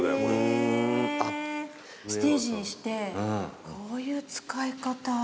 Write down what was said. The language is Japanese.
ステージにしてこういう使い方。